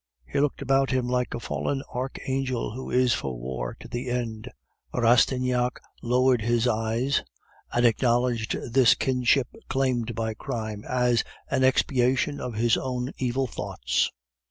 He looked about him like a fallen archangel who is for war to the end. Rastignac lowered his eyes, and acknowledged this kinship claimed by crime as an expiation of his own evil thoughts.